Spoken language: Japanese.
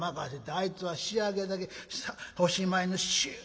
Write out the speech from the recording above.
あいつは仕上げだけおしまいのシュッ